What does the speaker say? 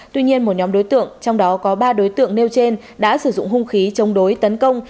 tuy nhiên một nhóm đối tượng trong đó có ba đối tượng nêu trên đã sử dụng hung khí chống đối tấn công